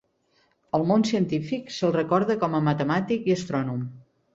Al món científic, se'l recorda com a matemàtic i astrònom.